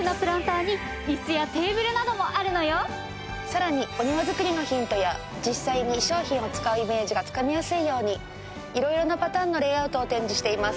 さらにお庭作りのヒントや実際に商品を使うイメージがつかみやすいように色々なパターンのレイアウトを展示しています。